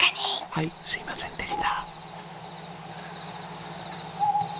はいすいませんでした。